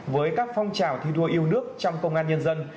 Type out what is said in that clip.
với các phong trào thi đua yêu nước trong công an nhân dân